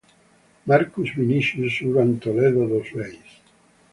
Marcus Vinicius Urban Toledo dos Reis